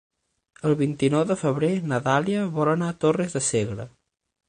El vint-i-nou de febrer na Dàlia vol anar a Torres de Segre.